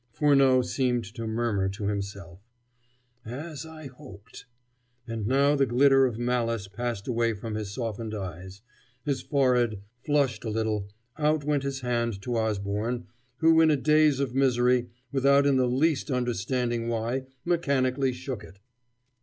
Furneaux seemed to murmur to himself: "As I hoped!" And now the glitter of malice passed away from his softened eyes, his forehead flushed a little, out went his hand to Osborne, who, in a daze of misery, without in the least understanding why, mechanically shook it.